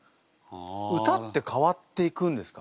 歌って変わっていくんですか？